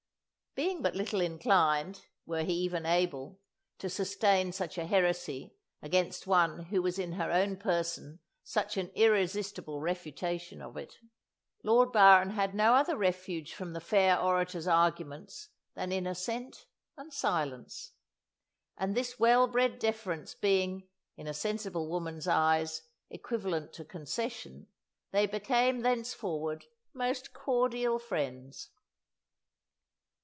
Being but little inclined, were he even able, to sustain such a heresy against one who was in her own person such an irresistible refutation of it, Lord Byron had no other refuge from the fair orator's arguments than in assent and silence; and this well bred deference being, in a sensible woman's eyes, equivalent to concession, they became, thenceforward, most cordial friends.